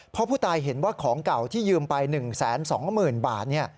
เพราะผู้ตายเห็นว่าของเก่าที่ยืมไป๑๒๐๐๐บาท